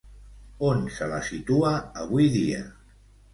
On se la situa avui dia?